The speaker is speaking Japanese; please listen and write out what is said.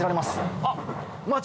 あっ！